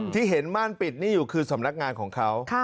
ที่เห็นม่านปิดนี่อยู่คือสำนักงานของเขา